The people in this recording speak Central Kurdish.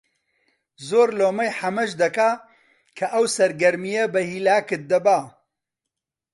زۆر لۆمەی حەمەش دەکا کە ئەو سەرگەرمییە بە هیلاکت دەبا